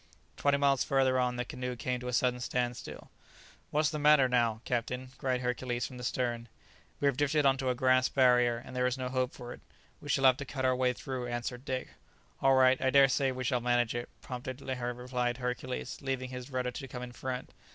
Twenty miles further on the canoe came to a sudden standstill. "What's the matter now, captain?" cried Hercules from the stern. "We have drifted on to a grass barrier, and there is no hope for it, we shall have to cut our way through," answered Dick. "All right, I dare say we shall manage it," promptly replied Hercules, leaving his rudder to come in front.